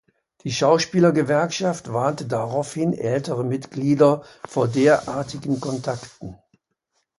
Die Schauspielergewerkschaft warnte daraufhin ältere Mitglieder vor derartigen Kontakten.